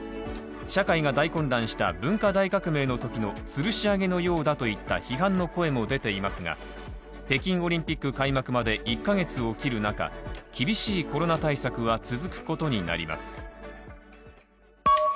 社会が大混乱した文化大革命のときのつるし上げのようだといった批判の声も出ていますが、北京オリンピック開幕まで１ヶ月を切る中、厳しいコロナ対策は続くことになります。